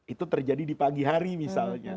itu terjadi di pagi hari misalnya